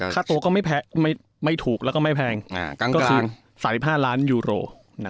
ค่าตัวก็ไม่ถูกแล้วก็ไม่แพงก็คือ๓๕ล้านยูโร